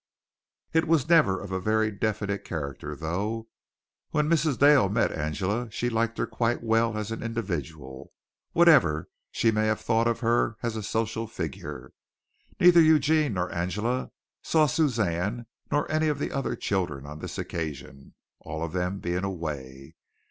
It was never of a very definite character, though. When Mrs. Dale met Angela she liked her quite well as an individual, whatever she may have thought of her as a social figure. Neither Eugene nor Angela saw Suzanne nor any of the other children on this occasion, all of them being away.